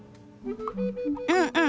うんうん！